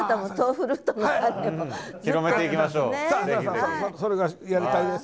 広めていきましょうぜひぜひ。